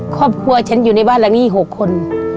ครอบครัวฉันอยู่ในบ้านหลังนี้๖คน